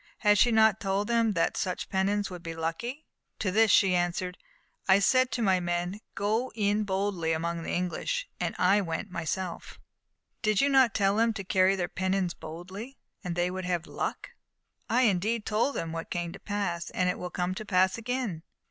Had she not told them that such pennons would be lucky? To this she answered: "I said to my men 'Go in boldly among the English!' and I went myself." "Did you not tell them to carry their pennons boldly, and they would have good luck?" "I indeed told them what came to pass, and will come to pass again."